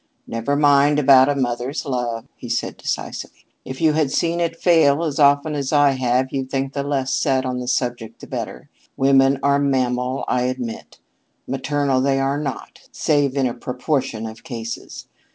"Never mind about a mother's love," he said decisively. "If you had seen it fail as often as I have, you'd think the less said on the subject the better. Women are mammal, I admit; maternal they are not, save in a proportion of cases.